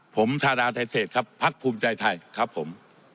ผมทาดาไทเศษครับพักภูมิใจไทยครับผม